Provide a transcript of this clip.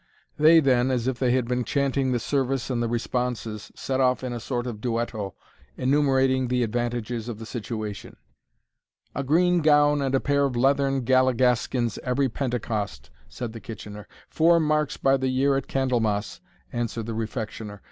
They then, as if they had been chanting the service and the responses, set off in a sort of duetto, enumerating the advantages of the situation. "A green gown and a pair of leathern galligaskins every Pentecost," said the Kitchener. "Four marks by the year at Candlemas," answered the Refectioner.